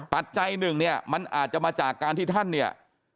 ปัจจัยหนึ่งเนี่ยมันอาจจะมาจากการที่ท่านเนี่ย